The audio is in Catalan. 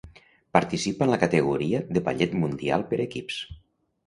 Participa en la categoria de Ballet Mundial per equips.